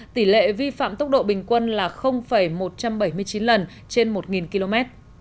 tỷ lệ vi phạm tốc độ bình quân là một trăm bảy mươi chín lần trên một km